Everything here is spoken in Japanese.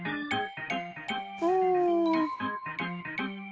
うん。